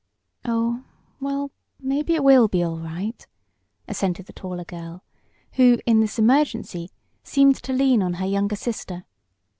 "Oh, well, maybe it will be all right," assented the taller girl who, in this emergency, seemed to lean on her younger sister.